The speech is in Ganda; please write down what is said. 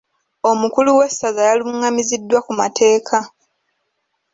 Omukulu w'essaza yalungamiziddwa ku mateeka.